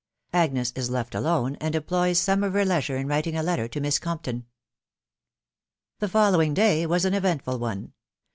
— 40NES IS UBTf ALONE, AND EMPLOYS SOME OF HER LE1SURX t* WRITING A |Ab TO MISS COXFTON. The following day was antvrentful one.